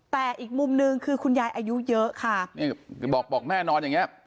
แต่อีกมุมหนึ่งคือคุณยายอายุเยอะค่ะนี่บอกบอกแม่นอนอย่างเงี้